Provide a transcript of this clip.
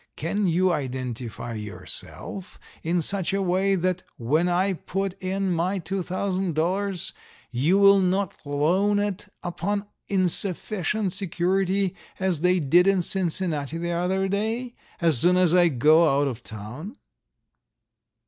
Can you identify yourself in such a way that when I put in my $2,000 you will not loan it upon insufficient security as they did in Cincinnati the other day, as soon as I go out of town?"